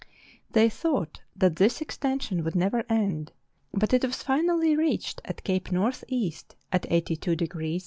They thought that this extension would never end, but it was finally reached at Cape Northeast, 82° 30' N.